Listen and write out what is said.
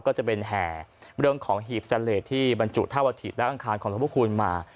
ก็จะเป็นแห่เรื่องของหีบเสลดที่บรรจุท่าวัฐิและอังคารของหลวงพระคุณมา